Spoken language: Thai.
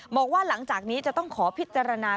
บอกว่าหลังจากนี้จะต้องขอพิจารณา